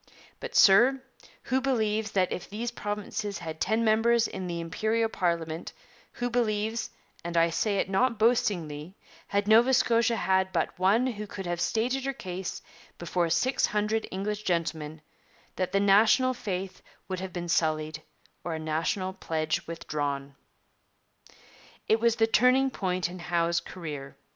But, sir, who believes that if these provinces had ten members in the Imperial parliament, who believes and I say it not boastingly had Nova Scotia had but one who could have stated her case before six hundred English gentlemen, that the national faith would have been sullied or a national pledge withdrawn?' It was the turning point in Howe's career.